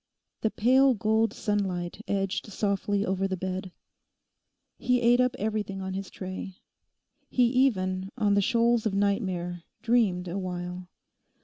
The pale gold sunlight edged softly over the bed. He ate up everything on his tray. He even, on the shoals of nightmare, dreamed awhile.